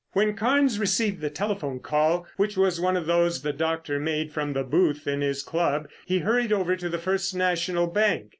When Carnes received the telephone call, which was one of those the doctor made from the booth in his club, he hurried over to the First National Bank.